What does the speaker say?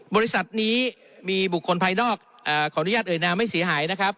บริษัทนี้มีบุคคลภายนอกขออนุญาตเอ่ยนามไม่เสียหายนะครับ